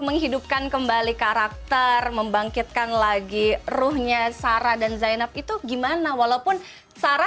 menghidupkan kembali karakter membangkitkan lagi ruhnya sarah dan zainab itu gimana walaupun sarah